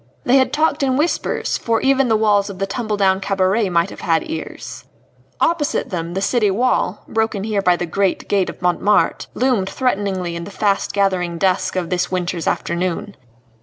They had talked in whispers, for even the walls of the tumble down cabaret might have had ears. Opposite them the city wall broken here by the great gate of Montmartre loomed threateningly in the fast gathering dusk of this winter's afternoon.